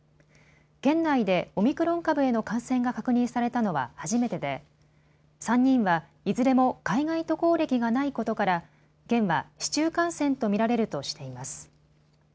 県内でオミクロン株への感染が確認されたのは初めてで３人は、いずれも海外渡航歴がないことから県は、市中感染と見られるとしています。